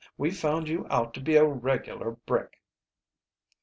"We found you out to be a regular brick."